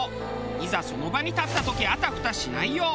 いざその場に立った時あたふたしないよう。